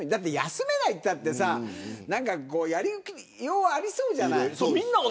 休めないといったってやりようはありそうじゃない。